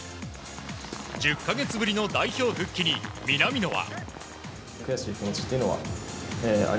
１０か月ぶりの代表復帰に南野は。